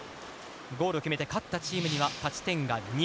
ゴールを決めて勝ったチームには勝ち点が２。